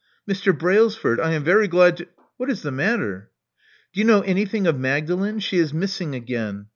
Mr. Brailsford! I am very glad to What is the matter?" Do you know anything of Magdalen? She is missing again.'